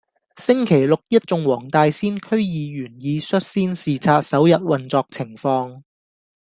星期六一眾黃大仙區議員已率先視察首日運作情況